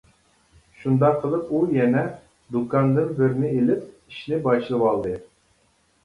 شۇنداق قىلىپ ئۇ يەنە دۇكاندىن بىرنى ئېلىپ ئىشىنى باشلىۋالدى.